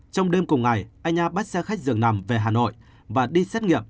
trong đêm cùng ngày anh a bắt xe khách dường nằm về hà nội và đi xét nghiệm